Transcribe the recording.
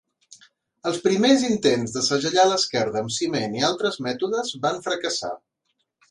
Els primers intents de segellar l'esquerda amb ciment i altres mètodes van fracassar.